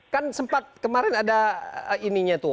kan sempat kemarin ada ininya tuh